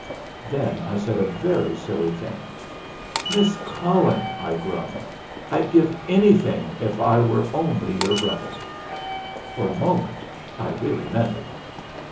Then I said a very silly thing. "Miss Cullen," I groaned, "I'd give anything if I were only your brother." For the moment I really meant it.